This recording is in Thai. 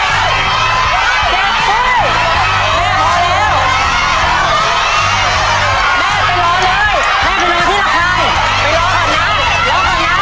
รอก่อนนะ